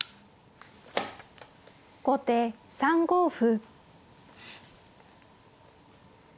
後手３五歩。